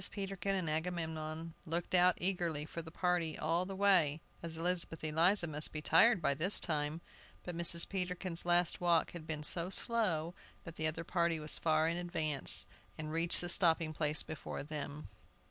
Peterkin and Agamemnon looked out eagerly for the party all the way, as Elizabeth Eliza must be tired by this time; but Mrs. Peterkin's last walk had been so slow, that the other party was far in advance and reached the stopping place before them.